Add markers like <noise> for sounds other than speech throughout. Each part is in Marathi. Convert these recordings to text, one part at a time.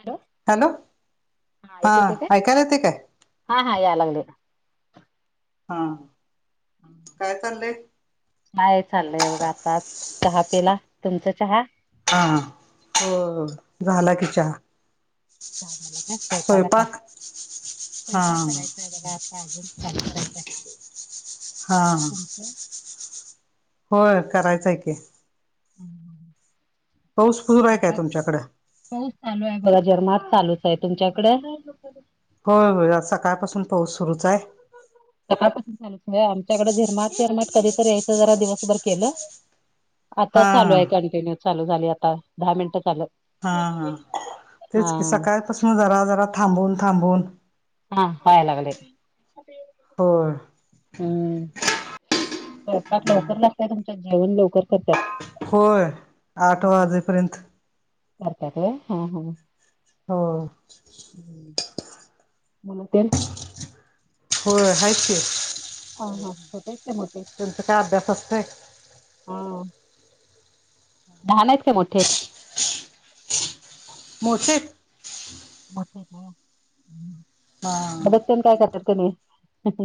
हॅलो हॅलो हा, ऐकू येते काय ऐकायला येतेय काय? हा हा याय लागले हा काय चाललंय? काय चाललंय, बघा आताच चहा पिला तुमचं चहा? हा, हो झाला की चहा चहा झाला काय स्वयपाक आता स्वयंपाक हा स्वयपाक करायचाय बघा आता अजून चालू करायचाय‌. <inaudible> हा होय करायचं आहे की स्वयंपाक पाऊस पुरूर आहे काय तुमच्याकड? पऊस चालू आहे बघा झिरमाट चालूच आहे, तुमच्याकडे? होय -होय आज सकाळपासून पाऊस सुरूच हाय. सकाळपसन चालूच हाय आमच्याकडे झिरमाट- झिरमाट कधीतरी यायचं जरा दिवसभर केलं आता हा चालू आहे कंटिन्यू चालू झाली आता. दहा मिनटं झाल. हा हा तेच की सकाळपासून जरा जरा थांबून थांबून हा वयला लागल की. होय हम्म स्वयंपाक लवकर लागतय तुमच्या जेवण लवकर करतात. होय आठ वाजेपर्यंत करत्यात व्हय. हा हा हो <inaudible> <unintelligible> हो हाय कि. हा हा छोटे आहेत काय मोठे त्यांचा काय अभ्यास असतय. हो लहाण आहेत की मोठेे आहेत. <unintelligible> हा मदत पण काय करतात कि नाही.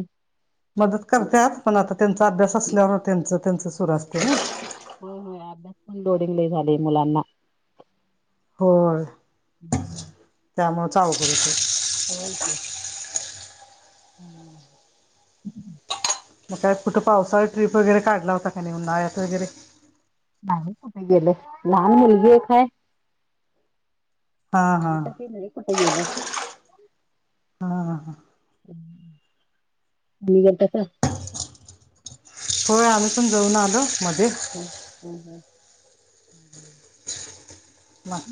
मदत करत्यात. पण आता त्यांचा अभ्यास असल्यावर त्यांच त्यांच सुर असते ना. हो होय अभ्यास पण लोडिंग लयी झालय मुलांना. होय <inaudible> त्यामुळंच अवघड होत. होय की <inaudible> <inaudible> मग काय कुठं पावसाळा ट्रिप वगैरे काढला होता का नाही. उन्हाळ्यात वगैरे. नाही कुठे गेले. लहान मुलगी एक आहे. हा म हा तर मरी कुठ गेल. हा हा हा <unintelligible> होय आम्ही समजवुन आलो मध्ये. <unintelligible>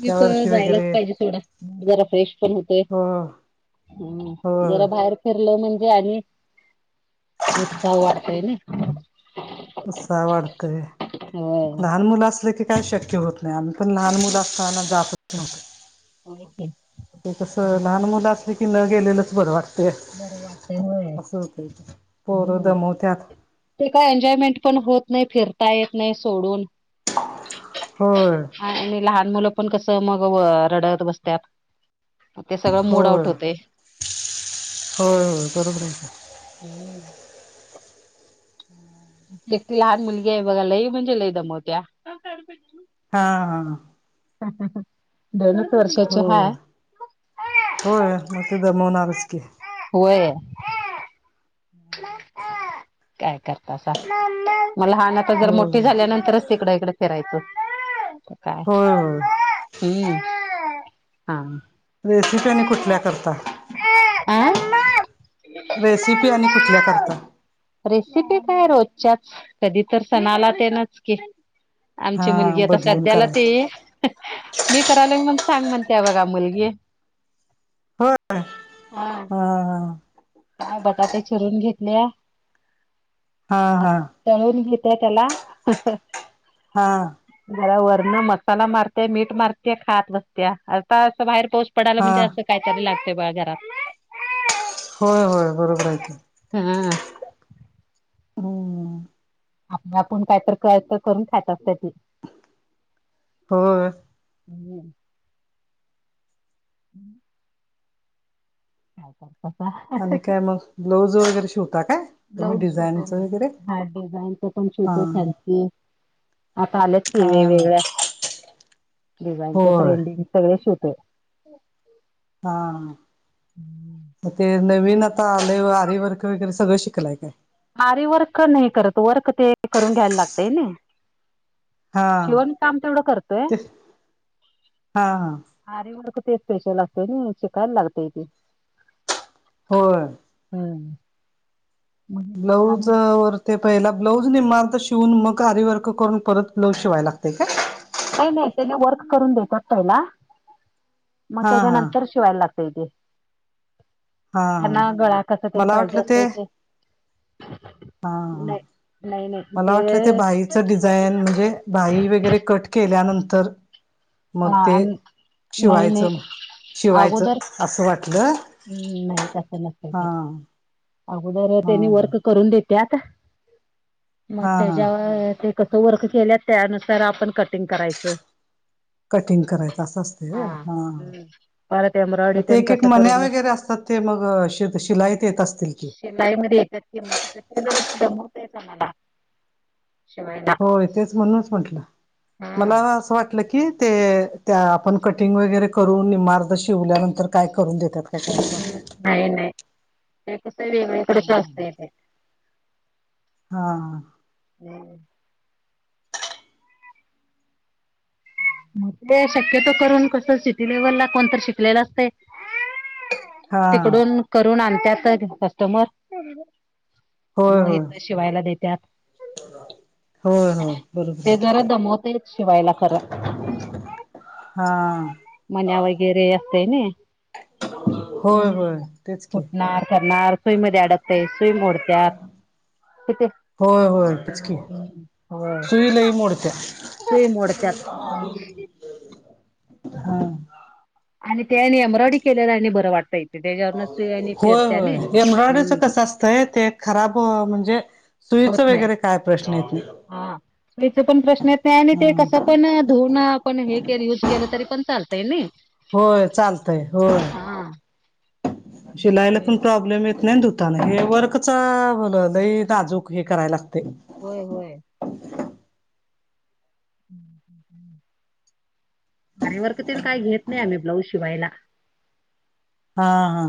मी प वर्षी जायलाच वगैरे पाहिजे थोडा. जरा फ्रेश पण होतय. हो हम्म होय जरा बाहेर. फिरल म्हणजे आणि उत्साह वाढतोय ना. उत्साह वाढतय. होय लहान मुलं असलं की काय शक्य होत नाही. आम पण लहान मुलं असताना जातच नव्हत. होय कि. ते कसं लहान मुलं असले की न गेलेलंच बर वाटत. बरं वाटतय ते होय अस होतय ते. पोर हम्म दमवत्यात. ते काय एन्जॉयमेंट पण होत नाही. फिरता येत नाही सोडून. होय. आणि लहान मुलं पण कस मग व रडत बसत्यात. ते सगळं मूड आउट होय होतय. होय होय बरोबर आहे. हम्म एकटी लहान मुलगी आहे बघा. लई म्हणजे लई दमवत्या. <unintelligible> हा हा हा <unintelligible> हो हाय होय म ते दमवणारच की. वय काय करतासा मग लहान आता, जर होय मोठी झाल्यानंतरच तिकड इकड फिरायचं ममा काय होय होय तर हा रेसिपी आणि कुठल्या करता ये मम्मा अं. रेसिपी आणि कुठल्या करता? रेसिपी काय रोजच्याच कधी तर सणाला तेनच की हा आमची मुलगी आता बदलून सध्याला करायच ते मी करायला म्हणून सांग म्हणट्या बघा मुलगी होय हा हा काय बटाटे चिरून घेतल्या. हा हा तळून घेते त्याला हा जरा वरन मसाला मारट्या मीठ मारतत्या खात बसत्या आता असं बाहेर पाऊस पडाला म्हणजे हा असं काहीतरी लागतय बघा घरात होय होय बरोबर हाय कि, हा हम्म आपलं आपुन काय तर करुन खात असत्या ती. हो हम्म <unintelligible> कसा आणि काय मग ब्लाऊज वगैरे शिवता काय तुम्ही ब्लाऊज शिवंतोय मी डिझाईनचं वगैरे हा डिझाईन ते पण हा शिवतोय फॅन्सी आता आल्यात की हा वेगवेगळ डिझाईनचे होय ट्रेंडिंग सगळे शिवतोय. हा हा मग ते नवीन आता आलेय आरीवर्क वगैरे सगळं शिकलाय काय? आरी वर्क नाही करत वर्क ते करून घ्यायला लागतय नइ हा शिवण काम तेवढं करतोय. ते हा हा आरी वर्क ते स्पेशल असतय नी शिकायला लागतय तेे होय. हम ब्लाऊज वर ते पहिला ब्लाऊज निम अर्ध शिवून मग आरी वर्क करून परत ब्लाऊज शिवाया लागतय काय? नाही नाही त्याने वर्क करून देतात पहिला मग हा त्याच्या हा नंतर शिवायला लागतय तेे हा त्यांना हा गळा कसा तेन मला पाहिजे वाटलं असतय ते हा नाही नाही नाही मला वाटलं ते बाहीचं डिझाईन म्हणजे बाही वगैरे कट केल्यानंतर मग ते हा नाही नाही शिवायचं शिवायचं असं वाटलं हम्म नाही तसं नसतय हा ते अगोदर हा त्यानी वर्क करून देत्यात, मग हा हा त्याच्यावर ते कसं वर्क केल्यात त्यानुसार आपण कटिंग करायचं. कटिंग करायच असं असतय व्हय, हा हम्म परत एम्ब्रॉयडरी मग ते तेन एक एक कसं मन्या करून देत वगैरे असतात, ते मग शिलाईत येत असतील, की शिलाईमध्ये येत्यात कि मन्या ते जरास दमावतेच आम्हाला शिवायला होय तेच म्हणूनच म्हटलं मला हम्म असं वाटलं की ते त्या आपण कटिंग वगैरे करून निम्म अर्ध शिवल्यानंतर काय करून देत्यात काय का हम्म नाही नाही हे कस वेगळीकडेच असतय ते <unintelligible> हा हम्म ते शक्यतो करून कस सिटी लेव्हल ला कोणतर शिकलेला असतय हा तिकडून करून आणत्यात कस्टमर होय मग हे होय तर शिवायला देतात. होय होय बरोबर ते आहे की जरा दमवतेेत शिवायला खरं. हा. मन्या वगैरे असतयनी होय होय तेच की फुटणार करणार सोई मध्ये अडकते सई मोडत. क तेे होय होय पचकी सुई लई मोडत्या. सुई मोडतात. हा. आणि त्याने ए्ब्रॉयडी केला आणि बरं वाटतय. होय होय एम्ब्रॉयडरीच हम्म कसं असतंय ते खराब म्हणजे सुईचं होत नाही वगैरे काय प्रश्न येत हा पण प्रश्न येत नाही आणि ते कस पण धुणं आपण हे के युज केलं तरी पण चालतंय नइ होय चालतय होय. हा. मग शिलाई ला ते पण नाही धुताना हे वर्कच लय नाजूक हे करायला लागतय. होय होय‌. आरीेवर्क तेन काय घेत नाही आम्ही ब्लाऊज शिवायला हा हा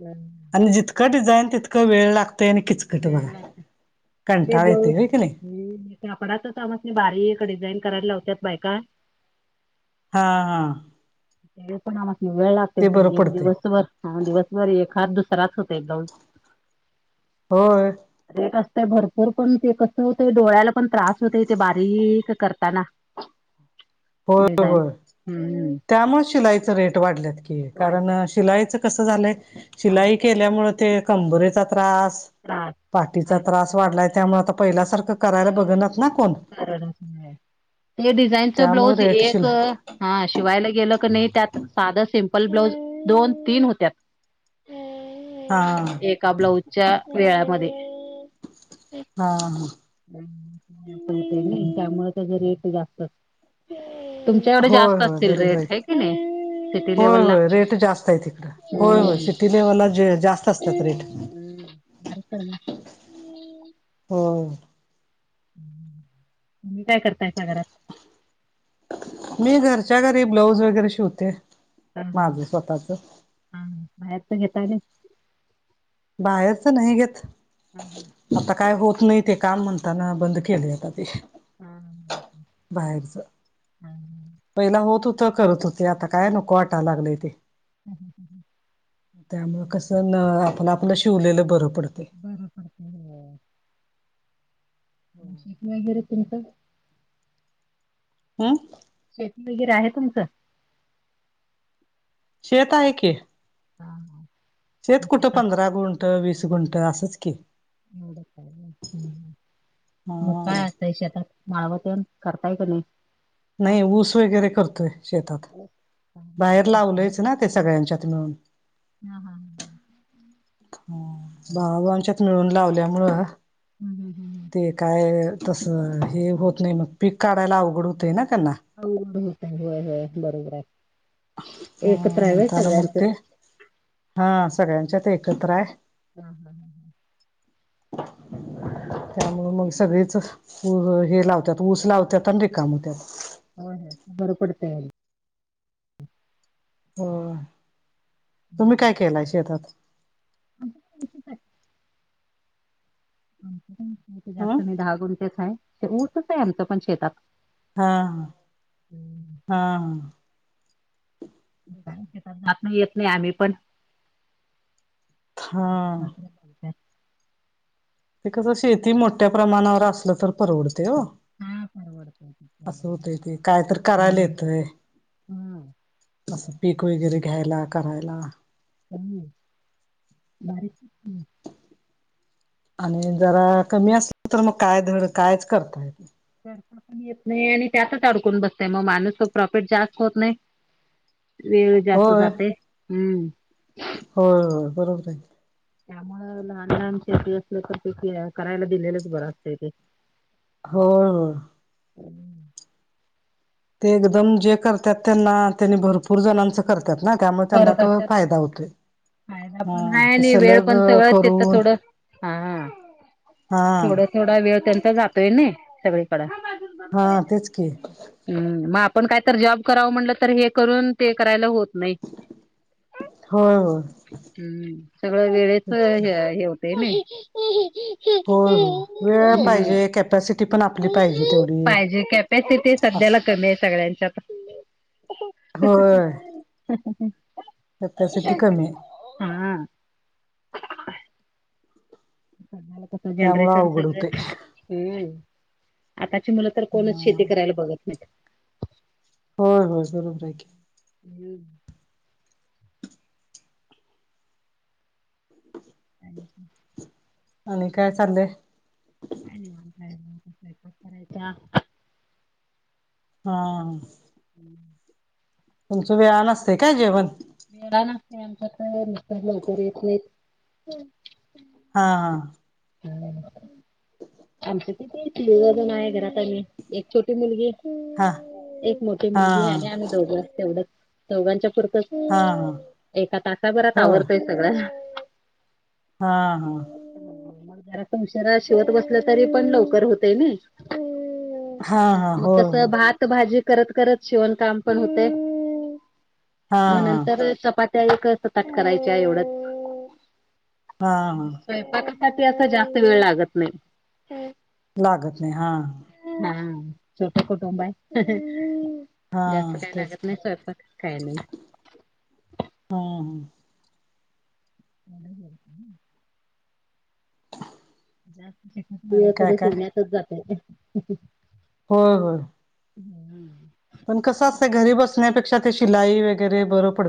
हम्म, आणि जितकं डिझाईन तितक वेळ लागतय आणि किच ते होय की नाही ब्लाऊज कापडाच समजने बारी एक डिझाईन करायला लावत बायका हा हा. ते पणाम वेळ लागते ते क बरं एक पडते दिवसभर दिवसभर एक हात दुसराच होत एक. हो. े असत भरपूर पण ते कसं होतय डोळ्याला पण त्रास होतय ते बारीक करताना का हम्म. त्यामुळं शिलाईचं रेट वाढल्यात की कारण वाढल्यात शिलाईचं कसं झालं आहे. हा. शिलाई केल्यामुळे ते कंबरेचा त्रास त्रास पाटचा त्रास वाढलाय त्यामुळे आता पहिल्यासारखं. करायला बघनात ना कोण हे डिझाईनच ब्लाऊज त्यामुळे रेट एक शिला हा शिवायला गेलं क नाही त्यात साधं सेम ल ब्लाऊज दोन तीन होत्या. हा. का ब्लाऊजच्या वेळामध्ये हा हा. त्यामुळे त्याचे रेट जास्त तुमच्याकडे होय जास्त होय असतील बरोबर रेट आहे की नाही. सिटी लेवल होय ला होय रेट जास्त आहे तिकडं होय होय हम्म. सिटी लेव्हलला जे जास्त असतात रेट बरला. हम. काय करताय सागरात मी घरच्या घरी ब्लाऊज वगैरे शिवते. हा हा माझं स्वतःच हा बा घताले. बाहेरच नाही घेत. हम ह. आता काय होत नाही ते काम म्हणताना बंद केले आता ते हम ह बाहेरच हम् ह. पहिला होत होतं करत होते आता काय नको वाटाय लागलंय ते ह हां हां ह. त्यामुळ कस न आपलं आपलं शिवलेलं बर पडतय. बर पडतय व्हय. मंग शेती वगैरे तुमच हं शेती वगैरे आहे तुमचं? शेत आहे की. हा हा शेत कुट शेतात पंधरा गुंठ वीस गुंठ असंच की म ह काय? काय शेतात माळवतण करताय का नाही? नाही ऊस वगैरे करतोय शेतात बरंच काम आहे बाहेर तसं. लावलंयच ना ते सगळ्यांच्यात मिळून हा हा ह हं भावाभावांणच्यात मिळून लावल्या मूळ हूं हूं हूं ते काय तसं हे होत नाय मग पीक काढायला अवघड होतय ना त्यांना अवघड होतय. होय होय बरोबर ह हाय एकत्र हाय व्हय म्हणताना मग सगळ्यांचं ते हा सगळ्यांच्यात एकत्र हाय. हा हा ह ह त्यामुंळ मग सगळीच अ हे लावत्यात ऊस लावत्यात आणि रिकाम होत्यात. होय होय बर पडतय आणि होय. तुम्ही काय केलाय शेतात? <unintelligible> आमच काय आमच हं जास्त नाय दहा गुंठेच हाय. ऊसच हाय आमचं पण शेतात. हा हम्म. -हा म काय शेतात जात नाय येत नाय आम्ही पण सासू हां सासरे बघत्यात. ते कसं शेती मोठ्या प्रमाणावर असलं तर परवडतय ओ हा परवडतंय ते असं केलेलं. होतय ते, काय तर करायला हम्म येतय. हां, असं पीक वगैरे घ्यायला, करायला. हम्म बारीक शेती आणि जरा कमी असल तर मग काय धड कायच करता येत नाय. करता पण येत नाय आणि त्यातच अडकून बसतय म माणूस तो प्रॉफिट जास्त होत नाय. वेळ जास्त होय जातय हम्म होय होय बरोबरये. त्यामुळ लहान लहान शेती असलं तर ते किरा करायला दिलेलंच बरं असतय ते होय ओ <unintelligible> ते एकदम जे करत्यात त्यांना त्यांनी भरपूर जणांच करत्यात ना त्यामुळे त्यांना करत तो असतात. फायदा होतोय. फायदा हा पण हाय ते आणि वेळ सलग पण सगळं तिथं करून थोडं हा थोडा थोडा वेळ त्यांचा जातोय नाय सगळे हा तेच की, हम्म म आपण काय तर जॉब करावं म्हटलं तर हे करून ते करायला होत नाही. होय होय हम्म सगळं वेळेच तेच की हे हा हे होत कय नय होय हो वेळा पाहिजे कॅपॅसिटी पण आपली पाहिजे तेवढी एक के के अस सध्याला करणे आहे सगळ्यांच्या आता होय. हम् ह ह. कॅपॅसिटी कमी आय. हाआ. <unintelligible> कस त्यामुळे जनरेशन अवघड सगळं हम्म. आताची मुलं तर कोणच होतय शेती करायला बघत नाहीत. होय. होय. बरोबर हाय की. हम्म. <inaudible> आणि काय चाललंय? काय निवांत हाय. स्वयंपाक करायचा. हा. ह <unintelligible> तुमच वेळान नसतयं काय जेवण? मेडा नसतंय आमच्यात नुसता लवकरच येतय. हा. हा. आमच किती? दोघंजन हाय घरात आम्ही. एक छोटी मुलगी. हा एक मोठी हा मुलगी आणि आमि दोघं तेवढंच चौघांच्या हा हा पुरतं. हा एका तासाभरात होय आवरतय सगळं. हा. हा. मग जरा उशिर शिवत बसलं तरी पण लवकर होतयं नई. हा हा मग होय तस होय भात - - भाजी करत करत शिवण काम पण होतयं. हा म हा नंतर चपा - - ती त्यावेळी काय सताट करायच्या एवढच. हा हा स्वयंपाक - - <unintelligible> आता जास्त वेळ लागत नाही. लागत नाही. हा. हा. छोटं कुटुंब हाय. हा जास्त काही तेच लागत की नाही स्वयंपाक काय नाही. हा. हं. <inaudible> आणि दिवस काय सगळा काय शिवण्यातच जातय. होय. होय. हम्म. पण कसं असतय घरी बसण्यापेक्षा ते शिलाई वगैरे बरं पड - -